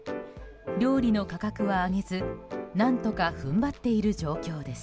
料理の価格は上げず、何とか踏ん張っている状況です。